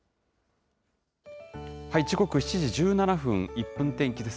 時刻７時１７分、１分天気です。